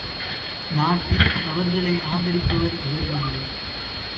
நாட்டில் அவர்களை ஆதரிப்பவர் எவருமில்லை.